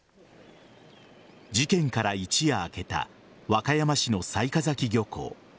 事件から一夜明けた和歌山市の雑賀崎漁港。